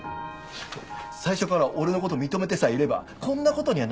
最初から俺の事を認めてさえいればこんな事には。